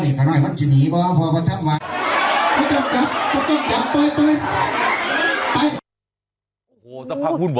เราเล่าให้ฟังนะครับ